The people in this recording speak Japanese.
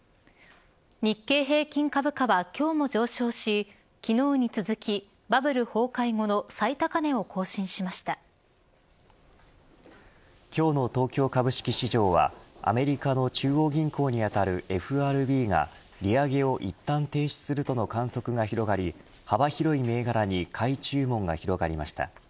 日経平均株価は今日も上昇し昨日に続き、バブル崩壊後の今日の東京株式市場はアメリカの中央銀行にあたるＦＲＢが利上げをいったん停止するとの観測が広がり幅広い銘柄に買い注文が広がりました。